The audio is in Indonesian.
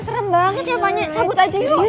serem banget ya makanya cabut aja yuk